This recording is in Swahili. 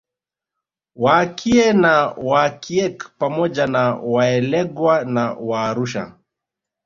Waakie na Waakiek pamoja na Waalegwa na Waarusha